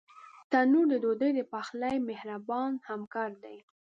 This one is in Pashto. تنور د ډوډۍ د پخلي مهربان همکار دی